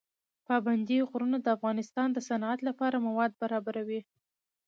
پابندی غرونه د افغانستان د صنعت لپاره مواد برابروي.